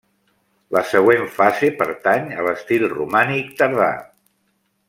La següent fase pertany a l'estil romànic tardà.